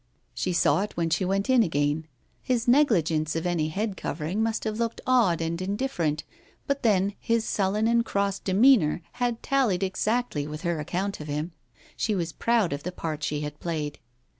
She saw it when she went in again. His negligence of any head covering must have looked odd and in different, but then his sullen and cross demeanour had tallied exactly with her account of him. She was proud of the part she had played.